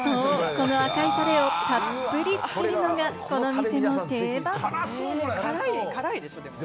この赤いタレをたっぷりつけるのが、この店の定番。